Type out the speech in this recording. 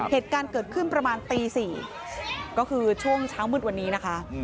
เหตุการณ์เกิดขึ้นประมาณตี๔ก็คือช่วงเช้ามืดวันนี้นะคะ